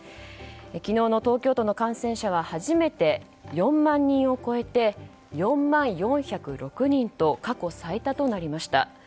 昨日の東京都の感染者は初めて４万人を超えて４万４０６人と過去最多となりました。